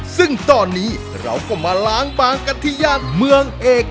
ซึ่งตอนนี้เราก็มาล้างบางกันที่ย่านเมืองเอก